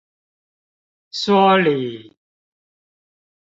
說理